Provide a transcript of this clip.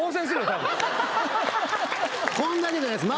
多分こんだけじゃないです